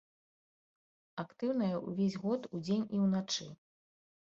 Актыўная ўвесь год, удзень і ўначы.